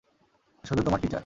শুধু তোমার টিচার।